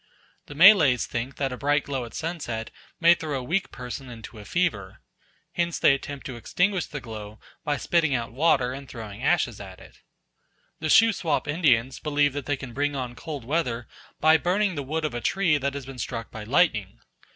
The Malays think that a bright glow at sunset may throw a weak person into a fever. Hence they attempt to extinguish the glow by spitting out water and throwing ashes at it. The Shuswap Indians believe that they can bring on cold weather by burning the wood of a tree that has been struck by lightning.